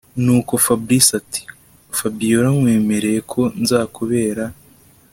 Nuko Fabric atiFabiora nkwemereye ko nzakubera